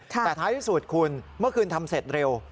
แต่ท้ายที่สุดคุณเมื่อคืนทำเสร็จเร็ว